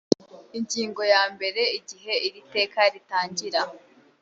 ingingo ya mbere igihe iri teka ritangira